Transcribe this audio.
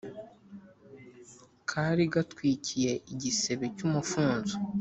kari gatwikiye igisebe cy' umufunzo.